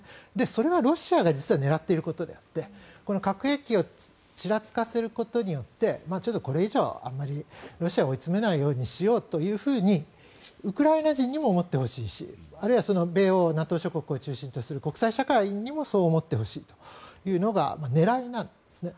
それはロシアが実は狙っていることであって核兵器をちらつかせることによってちょっとこれ以上あまりロシアを追い詰めないようにしようというふうにウクライナ人にも思ってほしいしあるいは米欧ＮＡＴＯ諸国を中心とする国際社会にもそう思ってほしいというのが狙いなんですね。